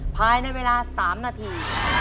ภายในเวลา๓นาที